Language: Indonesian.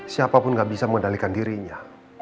siapapun gak bisa mengendalikan dirinya